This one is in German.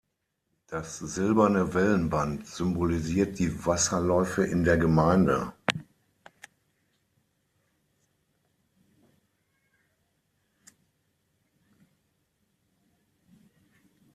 Das silberne Wellenband symbolisiert die Wasserläufe in der Gemeinde.